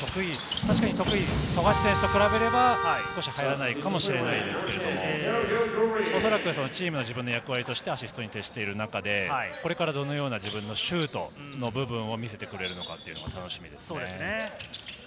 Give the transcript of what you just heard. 確かに富樫選手と比べれば少し入らないかもしれませんがおそらくチームの自分の役割としてアシストに徹している中でこれからどのような自分のシュートの部分を見せてくれるのか楽しみです。